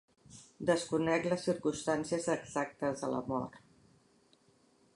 Desconec les circumstàncies exactes de la mort.